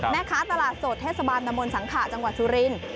แม่ค้าตลาดสดเทศบาลตะมนต์สังขะจังหวัดสุรินทร์